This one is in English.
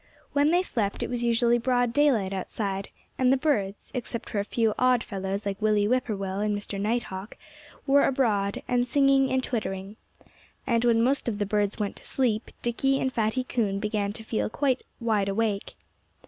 When they slept it was usually broad daylight outside, and the birds except for a few odd fellows like Willie Whip poor will and Mr. Night Hawk were abroad, and singing, and twittering. And when most of the birds went to sleep Dickie and Fatty Coon began to feel quite wide awake.